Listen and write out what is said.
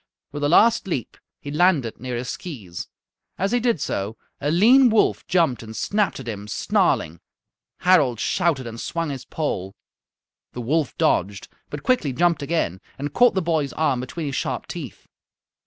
With a last leap he landed near his skees. As he did so a lean wolf jumped and snapped at him, snarling. Harald shouted and swung his pole. The wolf dodged, but quickly jumped again and caught the boy's arm between his sharp teeth.